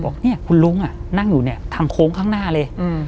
บอกเนี่ยคุณลุงนั่งอยู่เนี่ยทางโค้งข้างหน้าเลย